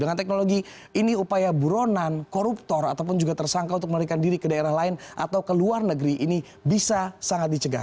dengan teknologi ini upaya buronan koruptor ataupun juga tersangka untuk melarikan diri ke daerah lain atau ke luar negeri ini bisa sangat dicegah